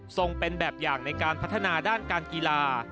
เป็นแบบอย่างในการพัฒนาด้านการกีฬา